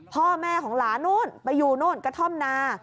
พ่อแม่ของหลานนู่นไปอยู่นู่นกระท่อมนา